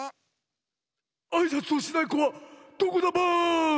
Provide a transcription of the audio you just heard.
・あいさつをしないこはどこだバーン！